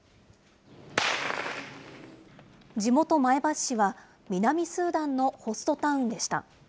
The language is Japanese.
地元前橋市は南スーダンのホストタウンでした。